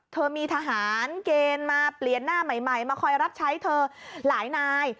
เธอมีทหารเกณฑ์มาเปลี่ยนหน้าใหม่มาคอยรับใช้เธอหลายนาย